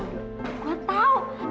gue tahu do